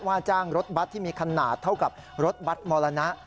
ว่าจ้างรถบัตรที่มีขนาดเท่ากับรถบัตรมรณะ